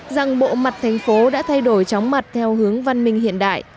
rằng bộ mặt thành phố đã thay đổi chóng mặt theo hướng văn minh hiện đại